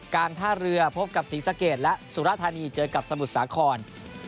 การท่าเรือพบกับศรีสะเกดและสุรธานีเจอกับสมุทรสาคร